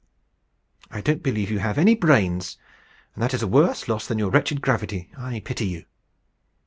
"I don't believe you have any brains; and that is a worse loss that your wretched gravity. I pity you."